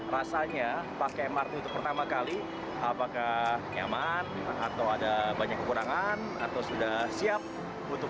rasanya pakai mrt untuk pertama kali apakah nyaman atau ada banyak kekurangan atau sudah siap untuk